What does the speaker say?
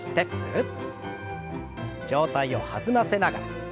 上体を弾ませながら。